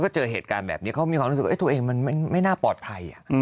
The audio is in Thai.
ก็เจอเหตุการณ์แบบนี้เขามีความรู้สึกว่าตัวเองมันไม่น่าปลอดภัย